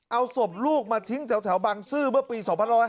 เอาศพลูกมาทิ้งแถวบางซื่อเมื่อปี๒๕๕๙